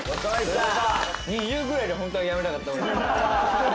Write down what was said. ２０ぐらいでホントはやめたかった俺。